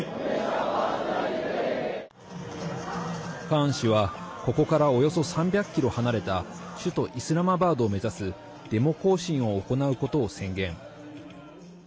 カーン氏は、ここからおよそ３００ｋｍ離れた首都イスラマバードを目指すデモ行進を行うことを宣言。